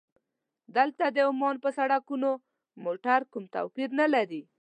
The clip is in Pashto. دلته د عمان پر سړکونو موټر کوم توپیر نه لري.